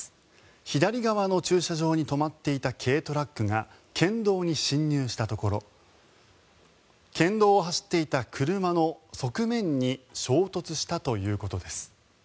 左側の駐車場に止まっていた軽トラックが県道に進入したところ県道を走っていた車の側面に衝突したということです。